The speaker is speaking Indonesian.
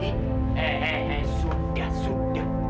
eh eh eh sudah sudah